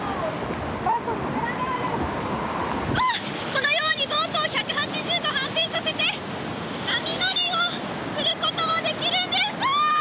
このようにボートを１８０度反転させて波乗りをすることもできるんです。